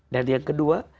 dan yang kedua